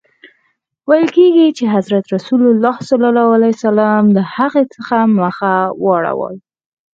ویل کیږي چي حضرت رسول ص له هغه څخه مخ واړاوه.